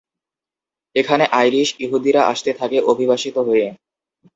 এখানে আইরিশ, ইহুদিরা আসতে থাকে অভিবাসিত হয়ে।